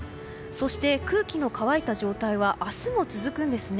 そして、空気の乾いた状態は明日も続くんです。